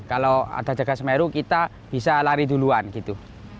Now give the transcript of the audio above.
kalau ada jaga semeru kita bisa lari duluan gitu